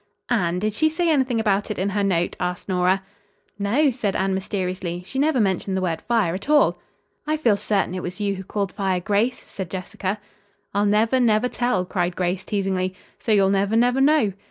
"Anne, did she say anything about it in her note?" asked Nora. "No," said Anne mysteriously, "she never mentioned the word 'fire' at all." "I feel certain it was you who called 'fire,' Grace," said Jessica. "I'll never, never tell," cried Grace teasingly; "so you'll never, never know."